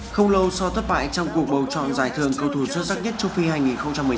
không lâu sau thất bại trong cuộc bầu chọn giải thưởng cầu thủ xuất sắc nhất châu phi hai nghìn một mươi chín